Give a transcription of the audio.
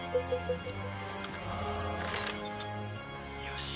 よし！